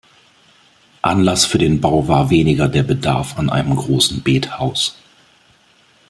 Anlass für den Bau war weniger der Bedarf an einem großen Bethaus.